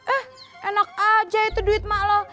eh enak aja itu duit emak lo